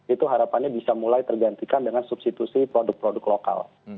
itu harapannya bisa mulai tergantikan dengan substitusi produk produk lokal